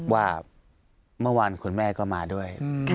ว่าเมื่อวานคุณแม่ก็มาด้วย